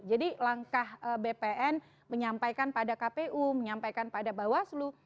jadi langkah bpn menyampaikan pada kpu menyampaikan pada bawaslu